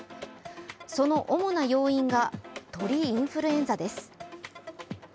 その主な要因が鳥インフルエンザです。